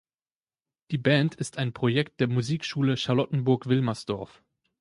Die Band ist ein Projekt der Musikschule Charlottenburg-Wilmersdorf.